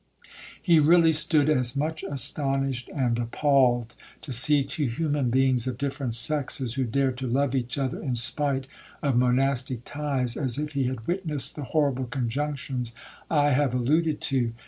He really stood as much astonished and appalled, to see two human beings of different sexes, who dared to love each other in spite of monastic ties, as if he had witnessed the horrible conjunctions I have alluded to.